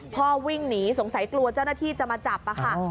วิ่งหนีสงสัยกลัวเจ้าหน้าที่จะมาจับค่ะ